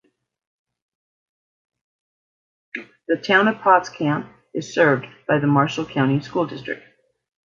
The Town of Potts Camp is served by the Marshall County School District.